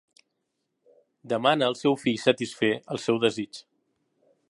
Demana al seu fill satisfer el seu desig.